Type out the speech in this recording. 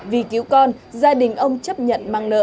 vì cứu con gia đình ông chấp nhận mang nợ